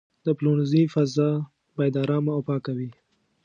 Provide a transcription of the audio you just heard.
د پلورنځي فضا باید آرامه او پاکه وي.